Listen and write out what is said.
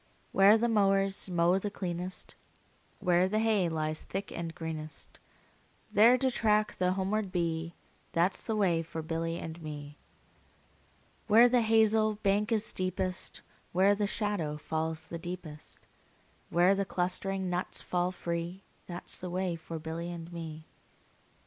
Where the mowers mow the cleanest, Where the hay lies thick and greenest, 10 There to track the homeward bee, That 's the way for Billy and me. Where the hazel bank is steepest, Where the shadow falls the deepest, Where the clustering nuts fall free, 15 That 's the way for Billy and me.